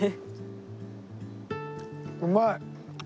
うまい！